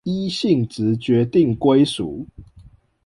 依性質決定歸屬